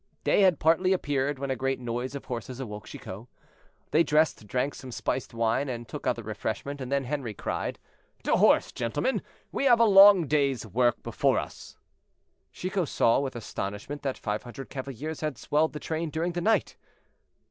Day had partly appeared, when a great noise of horses awoke Chicot. They dressed, drank some spiced wine, and took other refreshment, and then Henri cried: "To horse! gentlemen, we have a long day's work before us." Chicot saw with astonishment that five hundred cavaliers had swelled the train during the night.